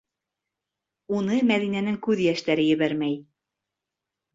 Уны Мәҙинәнең күҙ йәштәре ебәрмәй.